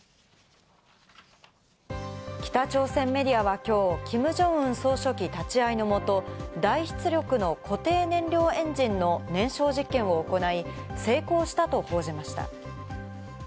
北朝鮮メディアは今日、キム・ジョンウン総書記立ち会いのもと大出力の固体燃料エンジンの燃焼実験を行い、成功したと報じました。